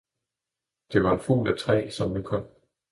det var en fugl af træ, som nu kom.